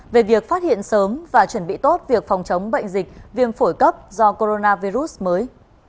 về việc phát hiện sớm và chuẩn bị tốt việc phòng chống bệnh dịch viêm phổi cấp do coronavirus mới